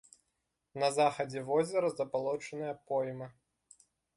На захадзе возера забалочаная пойма.